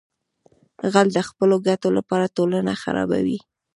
غل د خپلو ګټو لپاره ټولنه خرابوي